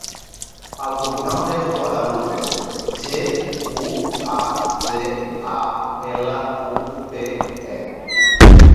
El cognom és Guadalupe: ge, u, a, de, a, ela, u, pe, e.